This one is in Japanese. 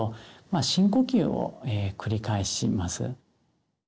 深呼吸を繰り返します。